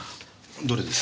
どれです？